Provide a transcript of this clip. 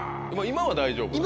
今は大丈夫。